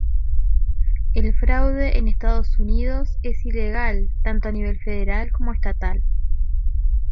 El fraude en Estados Unidos es ilegal tanto a nivel federal como estatal.